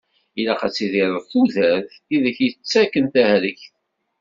Ilaq ad tidireḍ tudert, i ak-id-yettakken tahregt.